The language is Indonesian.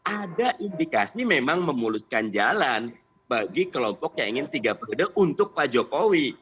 ada indikasi memang memuluskan jalan bagi kelompok yang ingin tiga periode untuk pak jokowi